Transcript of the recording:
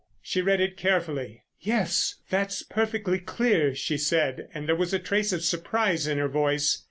She read it carefully. "Yes, that's perfectly clear," she said, and there was a trace of surprise in her voice.